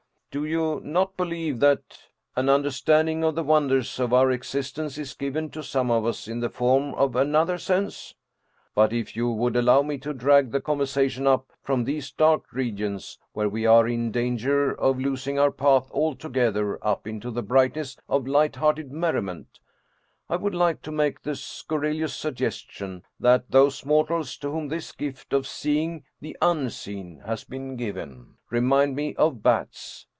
" Do you not believe that an understanding of the wonders of our existence is given to some of us in the form of an other sense? But if you would allow me to drag the con versation up from these dark regions where we are in dan ger of losing our path altogether up into the brightness of light hearted merriment, I would like to make the scurrilous suggestion that those mortals to whom this gift of seeing the Unseen has been given remind me of bats.